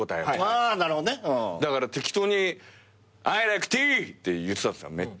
だから適当に「アイライクティー！」って言ってためっちゃ。